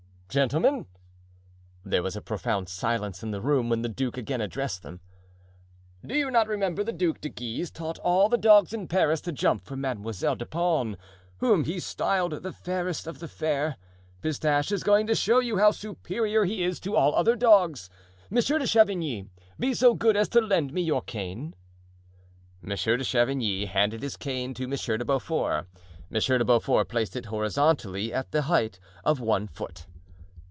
"Gentlemen!"—there was a profound silence in the room when the duke again addressed them—"do you not remember that the Duc de Guise taught all the dogs in Paris to jump for Mademoiselle de Pons, whom he styled 'the fairest of the fair?' Pistache is going to show you how superior he is to all other dogs. Monsieur de Chavigny, be so good as to lend me your cane." Monsieur de Chavigny handed his cane to Monsieur de Beaufort. Monsieur de Beaufort placed it horizontally at the height of one foot.